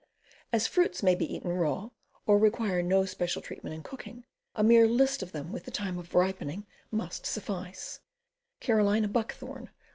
As fruits may be eaten raw, or require no special treatment in cooking, a mere list of them, with the time of ripening, must suffice : Carolina Buckthorn.